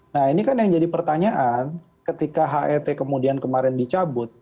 nah ini kan yang jadi pertanyaan ketika het kemudian kemarin dicabut